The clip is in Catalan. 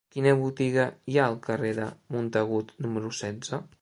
Quina botiga hi ha al carrer de Montagut número setze?